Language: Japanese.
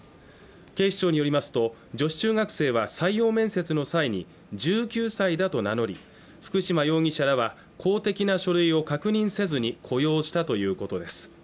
警視庁によりますと女子中学生は採用面接の際に１９歳だと名乗り福島容疑者らは公的な書類を確認せずに雇用したということです